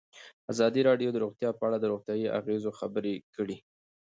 ازادي راډیو د روغتیا په اړه د روغتیایي اغېزو خبره کړې.